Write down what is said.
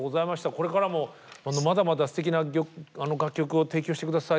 これからもまだまだすてきな楽曲を提供して下さい。